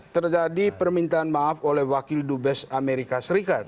terjadi permintaan maaf oleh wakil dubes amerika serikat